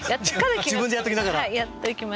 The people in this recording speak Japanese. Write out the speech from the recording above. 自分でやっときながら。